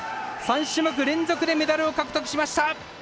３種目連続でメダルを獲得しました。